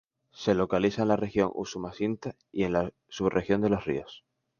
Se localiza en la región Usumacinta y en la subregión de Los Ríos.